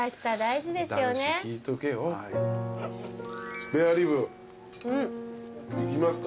スペアリブいきますか？